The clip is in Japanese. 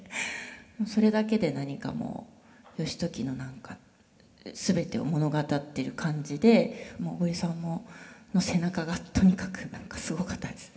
それだけで何かもう義時の全てを物語ってる感じで小栗さんの背中がとにかくすごかったです。